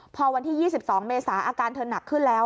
พอวันที่๒๒เมษาอาการเธอหนักขึ้นแล้ว